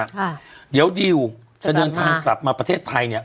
ค่ะเดี๋ยวดิวจะเดินทางกลับมาประเทศไทยเนี้ย